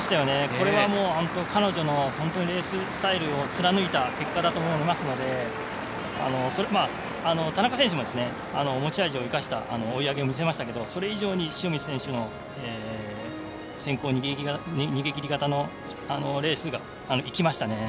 これは、彼女のレーススタイルを貫いた結果だと思いますので田中選手も、持ち味を生かした追い上げを見せましたがそれ以上に塩見選手の先行逃げ切り型のレースが生きましたね。